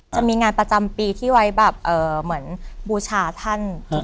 จะมีงานประจำปีที่ไว้แบบเหมือนบูชาท่าน